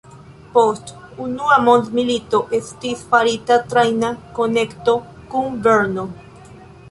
Post unua mondmilito estis farita trajna konekto kun Brno.